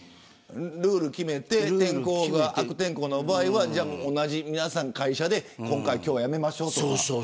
ルールを決めて悪天候の場合は皆さん会社で今日はやめましょうとか。